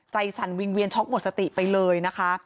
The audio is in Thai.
สั่นวิงเวียนช็อกหมดสติไปเลยนะคะ